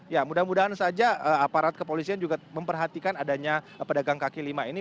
ya mudah mudahan saja aparat kepolisian juga memperhatikan adanya pedagang kaki lima ini